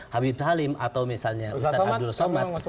habib talim atau misalnya ustadz abdul somad